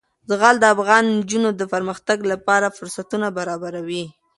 زغال د افغان نجونو د پرمختګ لپاره فرصتونه برابروي.